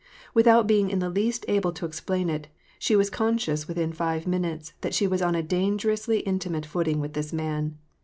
Without being in the least able to explain it, she was conscious within Ave minutes that she was on a dan gerously intimate footing with this man.